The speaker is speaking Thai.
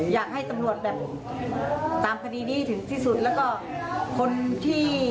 อยากให้ตำรวจดำเนินคดีให้ถึงที่สุดค่ะ